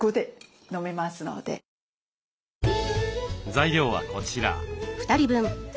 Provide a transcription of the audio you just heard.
材料はこちら。